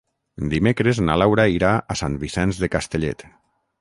Dimecres na Laura irà a Sant Vicenç de Castellet.